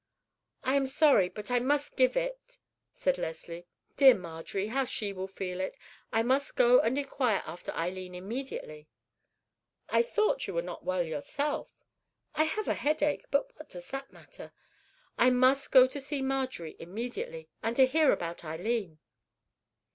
"I am sorry, but I must give it," said Leslie. "Dear Marjorie, how she will feel it. I must go and inquire after Eileen immediately." "I thought you were not well yourself." "I have a headache, but what does that matter? I must go to see Marjorie immediately, and to hear about Eileen."